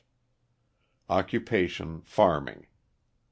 Occupation farming.